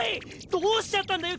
どうしちゃったんだよ